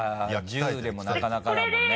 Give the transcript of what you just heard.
１０でもなかなかだもんね